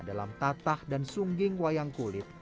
dalam tatah dan sungging wayang kulit